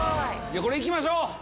これ行きましょう！